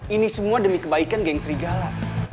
ini semua demi kebaikan geng serigala